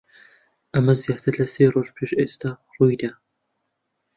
ئەمە زیاتر لە سێ ڕۆژ پێش ئێستا ڕووی دا.